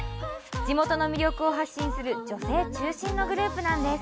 地元の魅力を発信する女性中心のグループなんです。